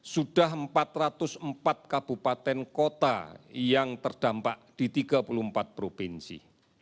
sudah empat ratus empat kabupaten kota yang terdampak di tiga puluh empat provinsi